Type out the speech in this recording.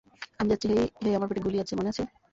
আমি যাচ্ছি hey, hey আমার পেটে গুলি আছে, মনে আছে?